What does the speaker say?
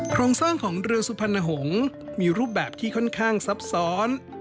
โครงสร้างของเรือสุพรรณหงษ์มีรูปแบบที่ค่อนข้างซับซ้อน